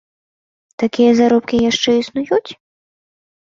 Такія заробкі яшчэ існуюць?